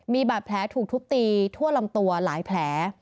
มีบาดแผลถูกทุบตีทั่วลำตัวหลายแผล